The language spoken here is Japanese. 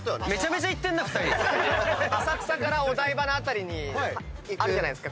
浅草からお台場の辺りにあるじゃないですか